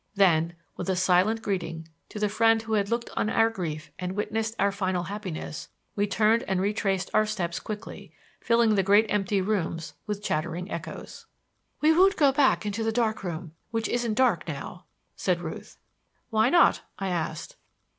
Then, with a silent greeting to the friend who had looked on our grief and witnessed our final happiness, we turned and retraced our steps quickly, filling the great empty rooms with chattering echoes. "We won't go back into the dark room which isn't dark now," said Ruth. "Why not?" I asked.